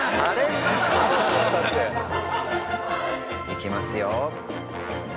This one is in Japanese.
いきますよ。